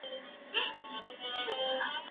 زه کولای سم لوبه وکړم!